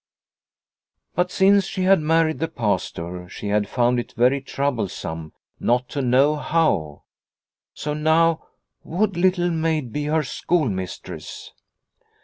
But since she had married the Pastor she had found it very troublesome not to know how ; so now would Little Maid be her schoolmistress